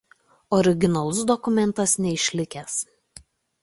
Originalus dokumentas neišlikęs.